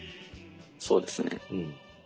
そうですね。